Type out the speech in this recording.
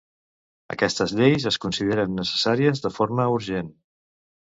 Aquestes lleis es consideren necessàries de forma urgent.